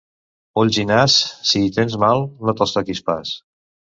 Ulls i nas, si hi tens mal, no te'ls toquis pas.